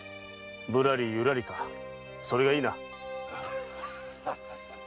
ぶらりゆらりかそれがいいな。